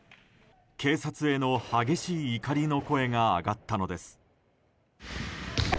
警察への激しい怒りの声が上がったのです。